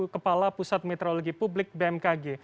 kepala pusat meteorologi publik bmkg